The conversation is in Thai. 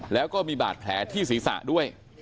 แล้วก็มีบาดแผลที่ศีรษะด้วย